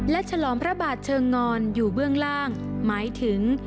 และฉลองพระบาทเชิงงอนอยู่เบื้องล่างหมายถึง